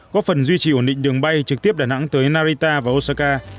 góp phần duy trì ổn định đường bay trực tiếp đà nẵng tới narita và osaka